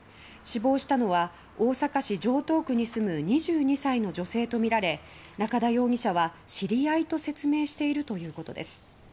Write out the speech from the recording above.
死亡したのは大阪市城東区に住む２２歳の女性とみられ中田容疑者は、知り合いと説明しているということです。